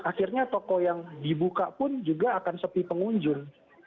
akhirnya toko yang dibuka pun juga akan sepi pengunjung